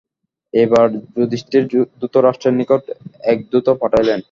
এইবার যুধিষ্ঠির ধৃতরাষ্ট্রের নিকট এক দূত পাঠাইলেন।